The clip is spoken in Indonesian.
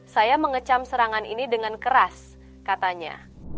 saya mengecam serangan ini dengan keras katanya